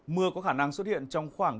mưa có khả năng xuất hiện trong khoảng